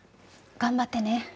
頑張ってね。